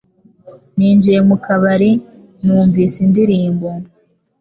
Ninjiye mu kabari numvise indirimbo